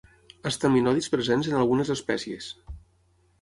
Estaminodis presents en algunes espècies.